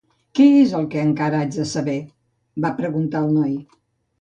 "Què és el que encara haig de saber?", va preguntar el noi.